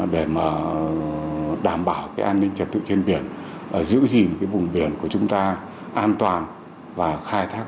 để mà đảm bảo an ninh trật tự trên biển giữ gìn vùng biển của chúng ta an toàn và khai thác